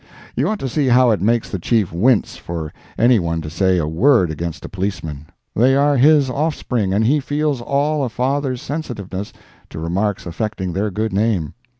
You ought to see how it makes the Chief wince for any one to say a word against a policeman; they are his offspring, and he feels all a father's sensitiveness to remarks affecting their good name.